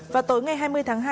vào tối ngày hai mươi tháng hai